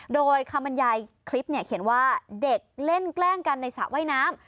โดยคำบรรยายคลิปเนี่ยเขียนว่าเด็กเล่นแกล้งกันในสระว่ายน้ำ